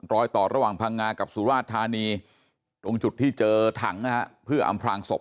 รอยต่อระหว่างพังงากับสุราชธานีตรงจุดที่เจอถังนะฮะเพื่ออำพลางศพ